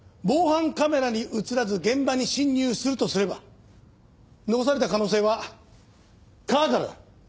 防犯カメラに映らず現場に侵入するとすれば残された可能性は川からだ。